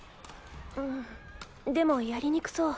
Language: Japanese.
うんでもやりにくそう。